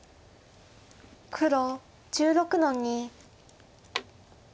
黒１６の二。